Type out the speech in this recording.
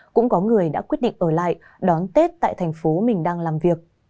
cũng có người đã quyết định ở lại đón tết tại thành phố mình đang làm việc